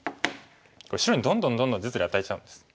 これ白にどんどんどんどん実利与えちゃうんです。